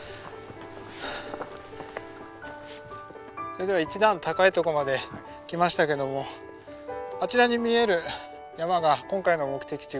それでは一段高いとこまで来ましたけどもあちらに見える山が今回の目的地